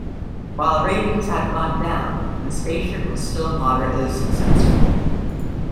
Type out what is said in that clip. While ratings had gone down, the station still was moderately successful.